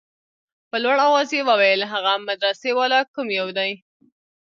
په لوړ اواز يې وويل هغه مدرسې والا کوم يو دى.